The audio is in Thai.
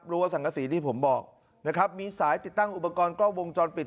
รั้วสังกษีที่ผมบอกนะครับมีสายติดตั้งอุปกรณ์กล้องวงจรปิด